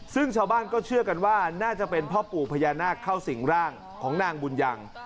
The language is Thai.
ซึ่งชาวบ้านก็เชื่อกันว่าน่าจะเป็นพ่อปู่พญานาคเข้าสิ่งร่างของนางบุญยัง